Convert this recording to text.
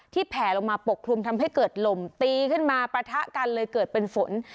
แผลลงมาปกคลุมทำให้เกิดลมตีขึ้นมาปะทะกันเลยเกิดเป็นฝน